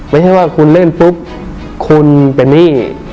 ไม่ใช่ว่าคุณเล่นปุ๊บคุณเป็นหนี้